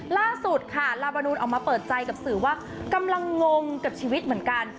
ล่าสุดค่ะลาบานูนออกมาเปิดใจกับสื่อว่ากำลังงงกับชีวิตเหมือนกัน